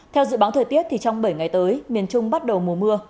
theo dự báo thời tiết thì trong bảy ngày tới miền trung bắt đầu mùa mưa